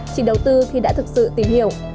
chỉ đầu tư thì đã thực sự tìm hiểu